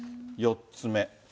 ４つ目。